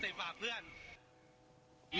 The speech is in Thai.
อ๋อที่ฝากเพื่อน